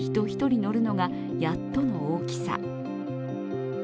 一人乗るのがやっとの大きさ。